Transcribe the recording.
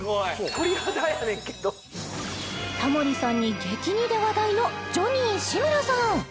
鳥肌やねんけどタモリさんに激似で話題のジョニー志村さん